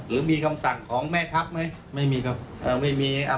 หรือมีคำสั่งของแม่ทัพไหมไม่มีครับเอ่อไม่มีอ่า